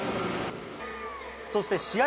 そして試合